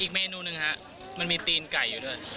อีกเมนูนึงครับมันมีตีนไก่อยู่ด้วย